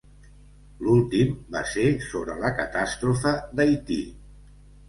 L'últim va ser sobre la catàstrofe d'Haití.